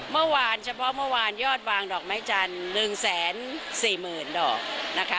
เมื่อวานเฉพาะเมื่อวานยอดวางดอกไม้จันทร์๑๔๐๐๐ดอกนะคะ